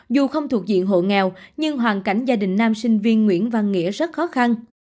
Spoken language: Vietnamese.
dù không thuộc diện hộ nghèo nhưng hoàn cảnh gia đình nam sinh viên nguyễn văn nghĩa rất khó khăn